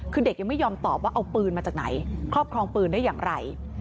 คือเด็กยังไม่ยอมตอบว่าเอาปืนมาจากไหนครอบครองปืนได้อย่างไร